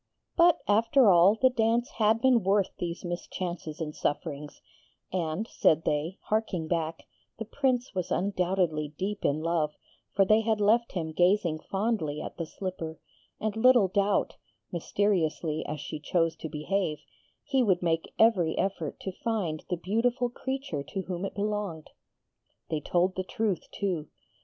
But, after all, the dance had been worth these mischances and sufferings; and, said they, harking back, the Prince was undoubtedly deep in love, for they had left him gazing fondly at the slipper, and little doubt mysteriously as she chose to behave he would make every effort to find the beautiful creature to whom it belonged. They told the truth, too.